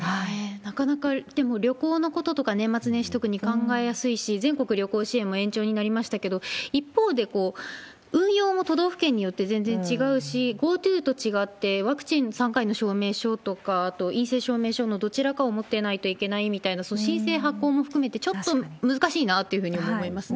なかなか、でも旅行のこととか年末年始、特に考えやすいし、全国旅行支援も延長になりましたけれども、一方で、運用も都道府県によって全然違うし、ＧｏＴｏと違って、ワクチン３回の証明書とか、あと、陰性証明書も、どちらかを持っていないといけないっていう、申請、発行も含めて、ちょっと難しいなというふうに思いますね。